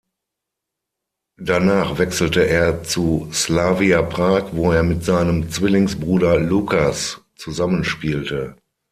Danach wechselte er zu Slavia Prag wo er mit seinem Zwillingsbruder Lukáš zusammenspielte.